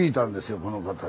この方に。